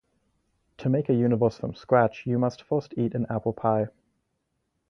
To make a universe from scratch you must first eat an apple pie.